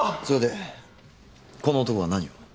それでこの男が何を？